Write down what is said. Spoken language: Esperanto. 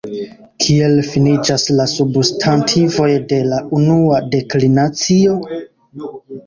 Kiel finiĝas la substantivoj de la unua deklinacio?